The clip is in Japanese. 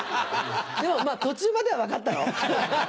でもまぁ途中までは分かったろ？